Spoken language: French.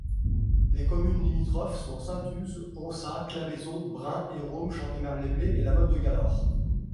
Les communes limitrophes sont Saint-Uze, Ponsas, Claveyson, Bren, Érôme, Chantemerle-les-Blés et La Motte-de-Galaure.